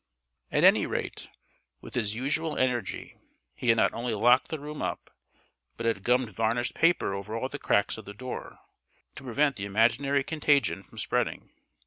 At any rate, with his usual energy he had not only locked the room up, but had gummed varnished paper over all the cracks of the door, to prevent the imaginary contagion from spreading.